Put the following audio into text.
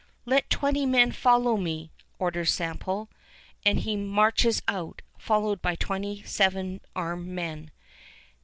"Let twenty men follow me," orders Semple; and he marches out, followed by twenty seven armed men.